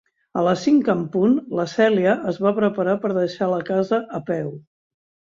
A les cinc en punt, la Cèlia es va preparar per deixar la casa a peu.